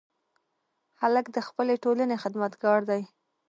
هلک د خپلې ټولنې خدمتګار دی.